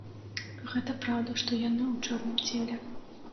Гэта праўда, што яны ў чорным целе.